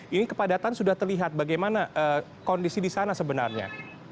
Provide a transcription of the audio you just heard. ini kepadatan sudah terlihat bagaimana kondisi di sana sebenarnya